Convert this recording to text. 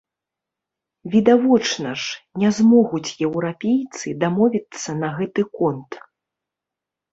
Відавочна ж, не змогуць еўрапейцы дамовіцца на гэты конт.